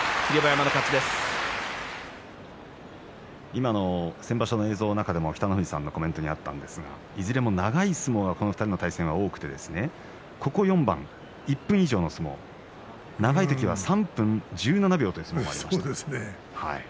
今の先場所の映像の中でも北の富士さんのコメントがありましたけどもいずれも長い相撲がこの２人対戦多くて、ここ４番１分以上の相撲長い時は３分１７秒という相撲がありました。